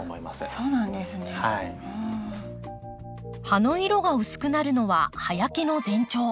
葉の色が薄くなるのは葉焼けの前兆。